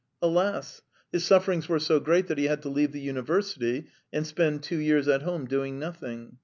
Alas! his sufferings were so great that he had to leave the university and spend two years at home doing nothing.